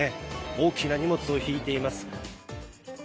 大きな荷物を引いています。